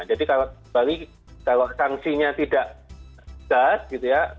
jadi kalau sanksinya tidak sehat gitu ya